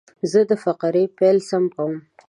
زه د فقرې پیل سم کوم.